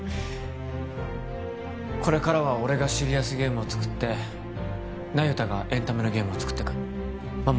これからは俺がシリアスゲームを作って那由他がエンタメのゲームを作っていくまあ